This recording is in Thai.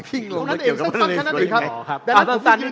พิ่งลงเวลาเกี่ยวกับเมื่อนั้นเองครับ